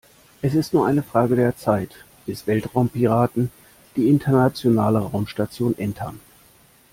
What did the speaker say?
Es ist nur eine Frage der Zeit, bis Weltraumpiraten die Internationale Raumstation entern.